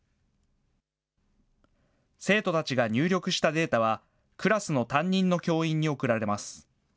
生徒たちが入力したデータは、クラスの担任の教員に送られます。